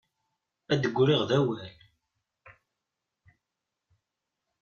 Ad d-griɣ d awal.